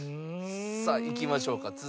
さあいきましょうか。